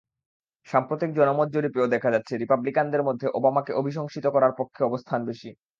সাম্প্রতিক জনমত জরিপেও দেখা যাচ্ছে, রিপাবলিকানদের মধ্যে ওবামাকে অভিশংসিত করার পক্ষে অবস্থান বেশি।